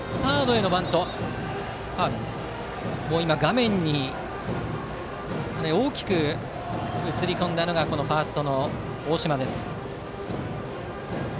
画面に大きく映り込んだのがファーストの大島です。